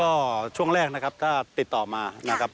ก็ช่วงแรกนะครับถ้าติดต่อมานะครับ